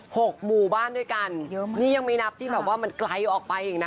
หกหมู่บ้านด้วยกันเยอะมากนี่ยังไม่นับที่แบบว่ามันไกลออกไปอีกนะ